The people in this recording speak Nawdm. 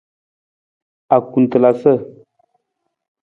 Akutelasa.